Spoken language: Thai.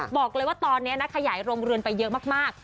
บอกเลยว่าตอนนี้นะขยายโรงเรือนไปเยอะมาก